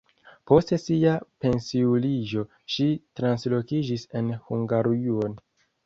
Post sia pensiuliĝo ŝi translokiĝis en Hungarujon.